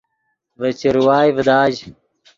ڤے چروائے ڤداژ